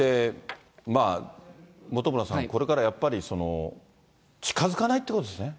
まあ、本村さん、これからやっぱり、近づかないっていうことですね。